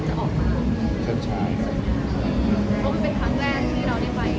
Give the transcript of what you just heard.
เพราะว่าเป็นครั้งแรกที่เราได้ไป